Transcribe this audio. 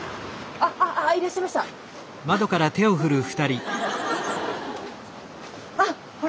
あっほら！